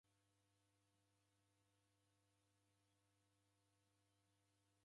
W'aw'iaja malagho gha marina ghedu.